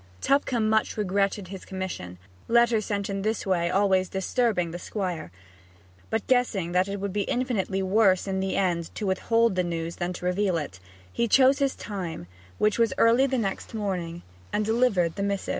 Tupcombe much regretted his commission, letters sent in this way always disturbing the Squire; but guessing that it would be infinitely worse in the end to withhold the news than to reveal it, he chose his time, which was early the next morning, and delivered the missive.